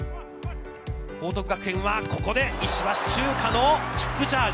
報徳学園は、ここで石橋チューカのキックチャージ。